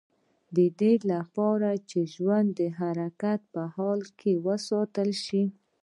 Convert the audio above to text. د دې لپاره چې ژوند د حرکت په حال کې وساتل شي.